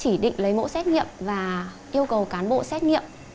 chúng ta sẽ chỉ định lấy mẫu xét nghiệm và yêu cầu cán bộ xét nghiệm